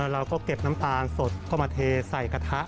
เราก็เก็บน้ำตาลสดเข้ามาเทใส่กระทะ